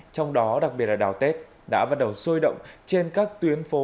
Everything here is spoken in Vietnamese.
trong đó đặc biệt là đào tết đã bắt đầu sôi động trên các tuyến phố